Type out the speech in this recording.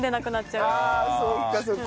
ああそっかそっか。